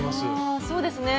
そうですね。